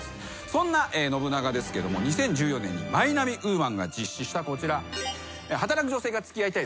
そんな信長ですけど２０１４年にマイナビウーマンが実施したこちら。